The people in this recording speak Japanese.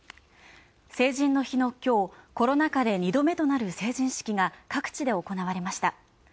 成人式の今日、コロナ禍で２度目となる成人式が各地で行われました。